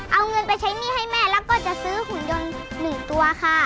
เอาเงินไปใช้หนี้ให้แม่แล้วก็จะซื้อหุ่นยนต์๑ตัวค่ะ